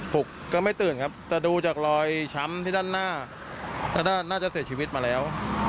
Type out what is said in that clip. ผมก็ไม่ตื่นครับแต่ดูจากรอยช้ำที่ด้านหน้าด้านน่าจะเสียชีวิตมาแล้ว